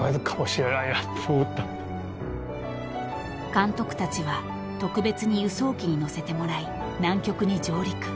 ［監督たちは特別に輸送機に乗せてもらい南極に上陸］